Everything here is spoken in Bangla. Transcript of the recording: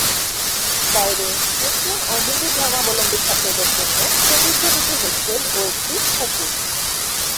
বাইরে মুসলিম ও হিন্দু ধর্মাবলম্বী ছাত্রদের জন্যে সমৃদ্ধ দুটি হোস্টেল ও একটি পুকুর।